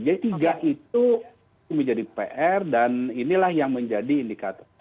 jadi tiga itu menjadi pr dan inilah yang menjadi indikator